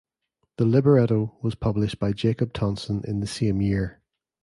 The libretto was published by Jacob Tonson in the same year.